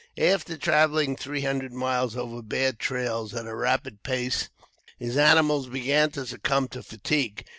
After traveling three hundred miles over bad trails at a rapid pace, his animals began to succumb to fatigue.